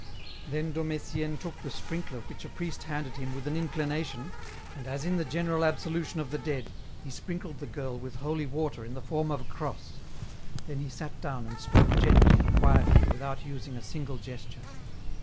Then Dom Etienne took the sprinkler which a priest handed him with an inclination, and as in the general absolution of the dead, he sprinkled the girl with holy water in the form of a cross, then he sat down and spoke gently and quietly without using a single gesture.